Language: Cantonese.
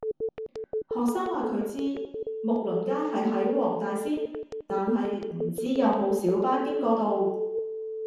學生話佢知睦鄰街係喺黃大仙，但係唔知有冇小巴經嗰度